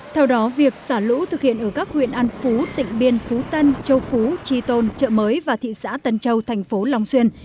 theo đó việc xả lũ thực hiện ở các huyện an phú tỉnh biên phú tân châu phú tri tôn trợ mới và thị xã tân châu thành phố long xuyên